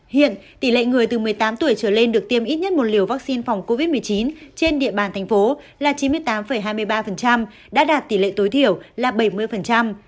hiện tỷ lệ người từ một mươi tám tuổi trở lên được tiêm ít nhất một liều vaccine phòng covid một mươi chín trên địa bàn thành phố là chín mươi tám hai mươi ba đã đạt tỷ lệ tối thiểu là bảy mươi